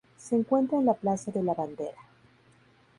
Se encuentra en la Plaza de la Bandera.